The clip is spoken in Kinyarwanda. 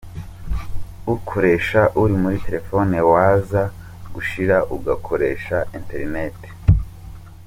Ukoresha uri muri telefone waza gushira ugakoresha internet.